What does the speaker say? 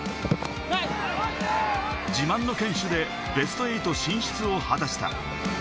自慢の堅守でベスト８進出を果たした。